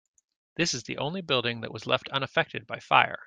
This is the only building that was left unaffected by fire.